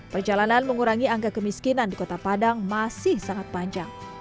perjalanan mengurangi angka kemiskinan di kota padang masih sangat panjang